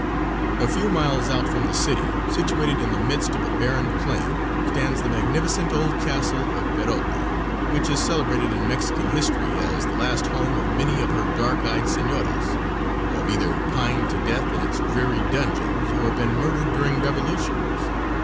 A few miles out from the city, situated in the midst of a barren plain, stands the magnificent old castle of Perote, which is celebrated in Mexican history as the last home of many of her dark eyed senoras, who have either pined to death in its dreary dungeons or been murdered during revolutions.